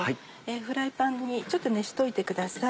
フライパンにちょっと熱しておいてください。